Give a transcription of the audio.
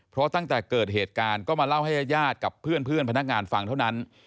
เพราะตั้งแต่เกิดเหตุการณ์ก็มาเล่าให้ญาติกับเพื่อนพนักงานฟังเท่านั้น